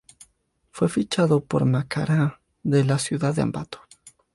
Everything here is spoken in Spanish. Fue fichado por Macará de la ciudad de Ambato.